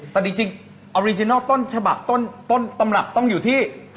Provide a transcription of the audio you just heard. แต่จริงออริจินัลต้นฉบับต้นตำรับต้องอยู่ที่